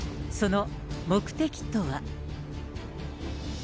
その目的とは。